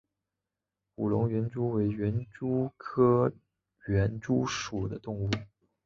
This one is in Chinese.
武隆园蛛为园蛛科园蛛属的动物。